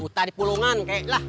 utas di pulungan kayak